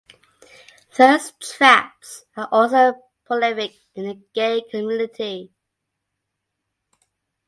Thirst traps are also prolific in the gay community.